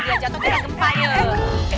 dia jatuh kita gempa ya